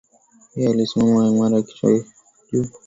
Yeye alisimama imara kichwa juu.